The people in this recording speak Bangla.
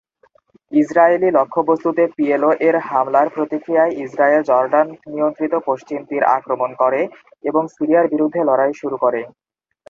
ইসরায়েলি লক্ষ্যবস্তুতে পিএলও এর হামলার প্রতিক্রিয়ায় ইসরায়েল জর্ডান নিয়ন্ত্রিত পশ্চিম তীর আক্রমণ করে এবং সিরিয়ার বিরুদ্ধে লড়াই শুরু করে।